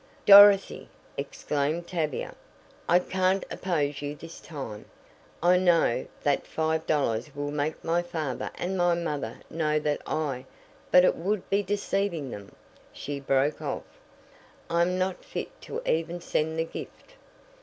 "Dorothy!" exclaimed Tavia, "I can't oppose you this time. I know that five dollars will make my father and my mother know that I but it would be deceiving them," she broke off. "I am not fit to even send the gift."